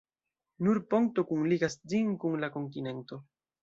Nur ponto kunligas ĝin kun la kontinento.